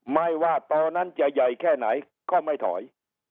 ไม่ว่าต่อนั้นจะใหญ่แค่ไหนก็ไม่ถอย